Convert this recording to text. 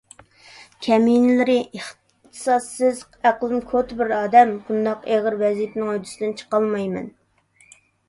كەمىنىلىرى، ئىختىساسسىز، ئەقلىم كوتا بىر ئادەم، بۇنداق ئېغىر ۋەزىپىنىڭ ھۆددىسىدىن چىقالمايمەن.